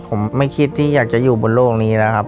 ผมไม่คิดที่อยากจะอยู่บนโลกนี้นะครับ